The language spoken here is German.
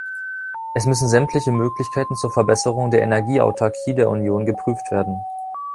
Es müssen sämtliche Möglichkeiten zur Verbesserung der Energieautarkie der Union geprüft werden.